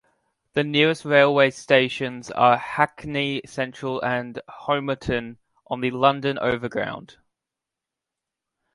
The nearest railway stations are "Hackney Central" and "Homerton" on the London Overground.